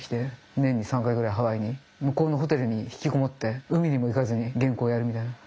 年に３回ぐらいハワイに向こうのホテルに引きこもって海にも行かずに原稿やるみたいな。